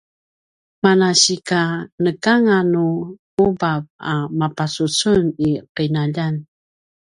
manasika nekanganu kubav a mapacucun i ’inaljan